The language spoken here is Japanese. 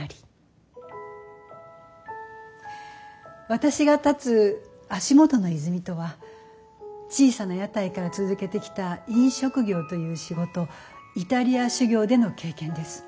私が立つ足元の泉とは小さな屋台から続けてきた飲食業という仕事イタリア修業での経験です。